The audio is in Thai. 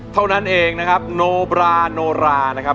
เท่านั้นเองนะครับโนบราโนรานะครับ